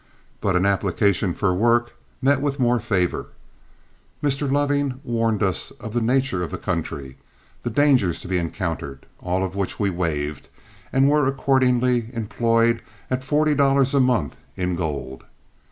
But an application for work met with more favor. Mr. Loving warned us of the nature of the country, the dangers to be encountered, all of which we waived, and were accordingly employed at forty dollars a month in gold.